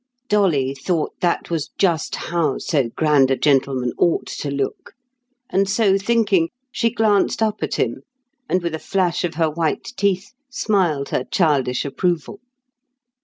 Dolly thought that was just how so grand a gentleman ought to look; and, so thinking, she glanced up at him, and with a flash of her white teeth, smiled her childish approval.